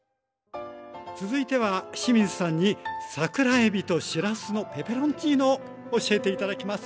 続いては清水さんに桜えびとしらすのペペロンチーノを教えて頂きます。